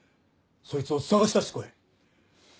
そいつを捜し出して来い。